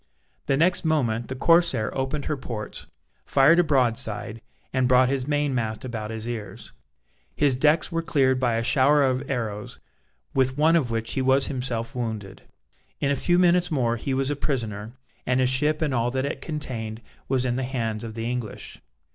The next moment the corsair opened her ports, fired a broadside, and brought his main mast about his ears. His decks were cleared by a shower of arrows, with one of which he was himself wounded. In a few minutes more he was a prisoner, and his ship and all that it contained was in the hands of the English.